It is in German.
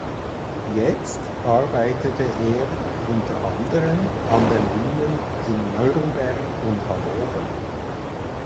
Jetzt arbeitete er unter anderen an den Bühnen in Nürnberg und Hannover.